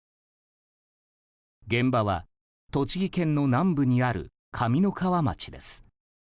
現場は、栃木県の南部にある上三川町です。